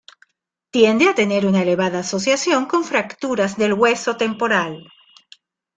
Tiende a tener una elevada asociación con fracturas del hueso temporal.